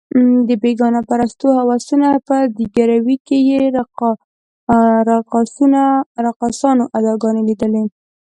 د بېګانه پرستو هوسونو په ځګیروي کې یې رقاصانو اداګانې لیدلې.